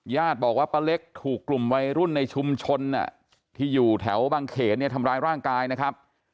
ญาติบอกว่าป้าเล็กถูกกลุ่มวัยรุ่นในชุมชนที่อยู่แถวบางเขนเนี่ยทำร้ายร่างกายนะครับ